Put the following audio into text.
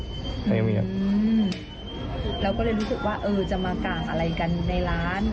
เราก็เลยรู้สึกว่าเออจะมาก่างอะไรกันในร้าน